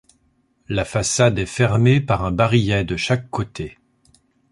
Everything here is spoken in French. La façade est fermée par un barillet de chaque côté.